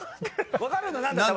分かるの何だった？